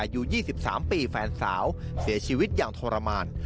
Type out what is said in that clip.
อายุ๒๓ปีแฟนสาวเสียชีวิตอย่างทรมาน